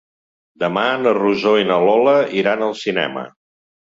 Demà na Rosó i na Lola iran al cinema.